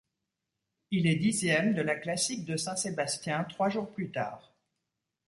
Il est dixième de la Classique de Saint-Sébastien trois jours plus tard.